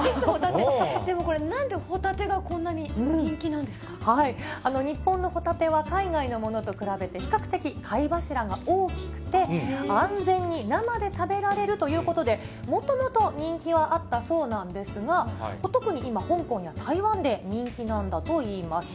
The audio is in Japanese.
でもこれ、なんでホタテがこ日本のホタテは、海外のものと比べて比較的、貝柱が大きくて、安全に生で食べられるということで、もともと人気はあったそうなんですが、特に今、香港や台湾で人気なんだといいます。